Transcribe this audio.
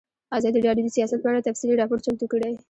ازادي راډیو د سیاست په اړه تفصیلي راپور چمتو کړی.